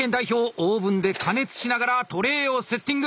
オーブンで加熱しながらトレーをセッティング。